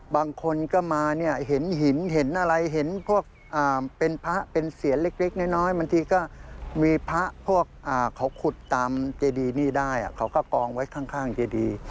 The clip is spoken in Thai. บางคนก็มาเนี่ยเห็นหินเห็นอะไรเห็นพวกเป็นพระเป็นเสียนเล็กน้อยบางทีก็มีพระพวกเขาขุดตามเจดีนี่ได้เขาก็กองไว้ข้างเจดี